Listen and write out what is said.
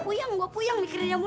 puyang gua puyang mikirinnya mulu